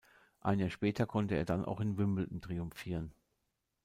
Ein Jahr später konnte er dann auch in Wimbledon triumphieren.